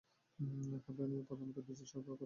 Pipeline দিয়ে প্রধানত diesel সরবরাহ করা হবে।